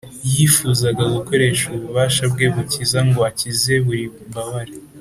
. Yifuzaga gukoresha ububasha Bwe bukiza ngo akize buri mbabare.